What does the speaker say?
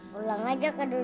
pulang aja ke dunia lain